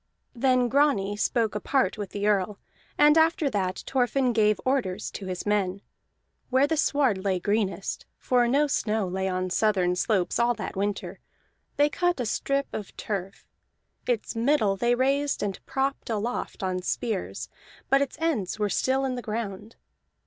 Then Grani spoke apart with the Earl, and after that Thorfinn gave orders to his men. Where the sward lay greenest (for no snow lay on southern slopes all that winter) they cut a strip of turf; its middle they raised and propped aloft on spears, but its ends were still in the ground.